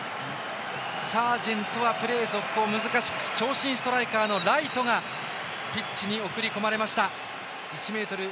サージェントはプレー続行難しく長身ストライカーのライトがピッチに送り込まれました。